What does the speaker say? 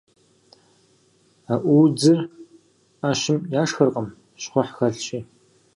Аӏуудзыр ӏэщым яшхыркъым, щхъухь хэлъщи.